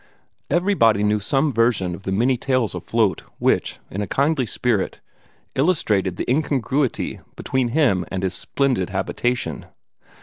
Everybody knew some version of the many tales afloat which, in a kindly spirit, illustrated the incongruity between him and his splendid habitation.